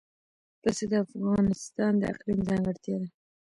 پسه د افغانستان د اقلیم ځانګړتیا ده.